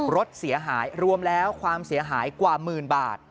รถเสียหายรวมแล้วความเสียหายกว่าหมื่นบาท